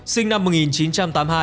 sinh năm một nghìn chín trăm tám mươi hai